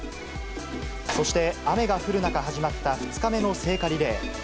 そして雨が降る中、始まった２日目の聖火リレー。